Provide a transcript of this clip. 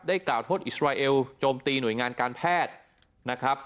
ได้กล่าวโทษอิสราเอลโจมตีหน่วยงานการแพทย์